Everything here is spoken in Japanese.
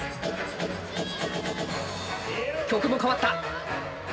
曲も変わった！